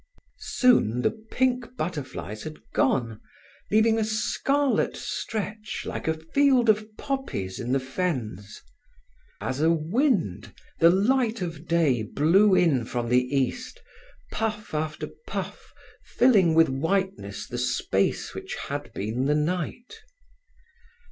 Soon the pink butterflies had gone, leaving a scarlet stretch like a field of poppies in the fens. As a wind, the light of day blew in from the east, puff after puff filling with whiteness the space which had been the night.